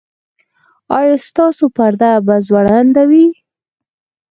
ایا ستاسو پرده به ځوړنده وي؟